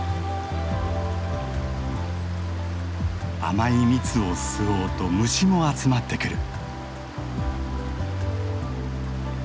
甘い蜜を吸おうと虫も集まってくる。